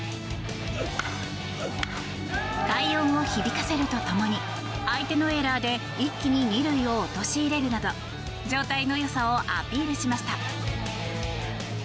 快音を響かせるとともに相手のエラーで一気に２塁を陥れるなど状態のよさをアピールしました。